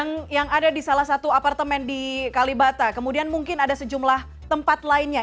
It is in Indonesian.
yang ada di salah satu apartemen di kalibata kemudian mungkin ada sejumlah tempat lainnya